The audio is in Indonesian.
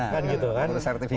kan gitu kan